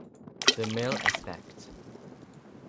De Mille aspect.